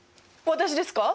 私ですか？